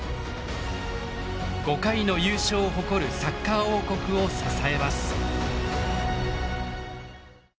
５回の優勝を誇るサッカー王国を支えます。